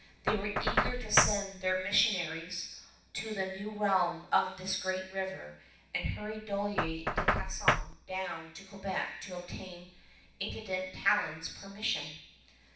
They were eager to send their missionaries to the new realm of this Great River, and hurried Dollier de Casson down to Quebec to obtain Intendant Talon's permission.